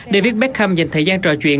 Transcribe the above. david beckham dành thời gian trò chuyện